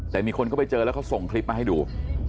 แต่มีคนเข้าไปเจอแล้วเขาส่งคลิปมาให้ดู